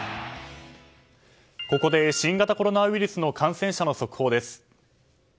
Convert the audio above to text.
ここで新型コロナウイルスの感染者の速報です。